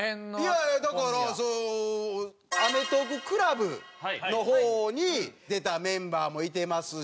いやいやだからアメトーークＣＬＵＢの方に出たメンバーもいてますし。